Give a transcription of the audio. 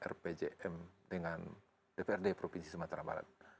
rpjm dengan dprd provinsi sumatera barat